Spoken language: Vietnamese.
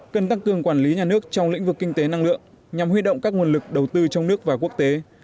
cần tăng cường quản lý nhà nước trong lĩnh vực kinh tế năng lượng nhằm huy động các nguồn lực đầu tư trong nước và quốc tế